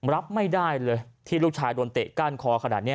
รับไม่ได้เลยที่ลูกชายโดนเตะก้านคอขนาดนี้